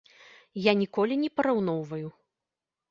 Я ніколі не параўноўваю.